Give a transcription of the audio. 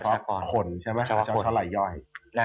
อันนี้เฉพาะคนใช่ไหม